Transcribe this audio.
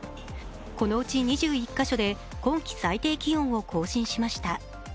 このうち２１か所で今季最低気温を更新しました。